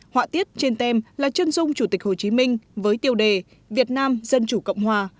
họa tiết trên tem là chân dung chủ tịch hồ chí minh với tiêu đề việt nam dân chủ cộng hòa